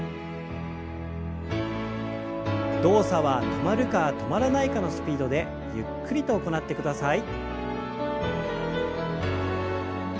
動作は止まるか止まらないかのスピードでゆっくりと行ってください。